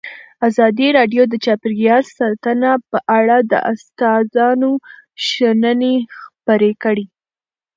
ازادي راډیو د چاپیریال ساتنه په اړه د استادانو شننې خپرې کړي.